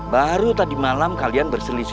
baru tadi malam kalian berselisih